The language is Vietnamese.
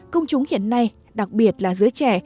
công chúng hiện nay đặc biệt là giới trẻ